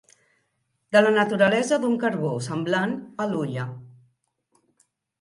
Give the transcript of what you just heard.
De la naturalesa d'un carbó semblant a l'hulla.